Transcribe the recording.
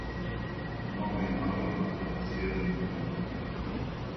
Um homem mau não pode ser um bom homem.